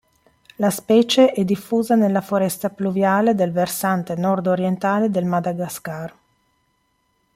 La specie è diffusa nella foresta pluviale del versante nord-orientale del Madagascar.